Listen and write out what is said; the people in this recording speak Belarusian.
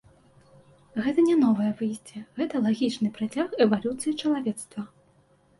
Гэта не новае выйсце, гэта лагічны працяг эвалюцыі чалавецтва.